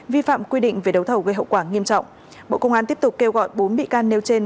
vi phạm quy định về đấu thầu gây hậu quả nghiêm trọng bộ công an tiếp tục kêu gọi bốn bị can nêu trên